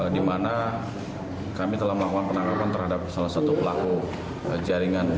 di mana kami telah melakukan penangkapan terhadap salah satu pelaku jaringan